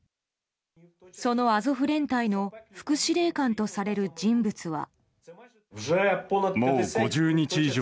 そのアゾフ連隊の副司令官とされる人物は。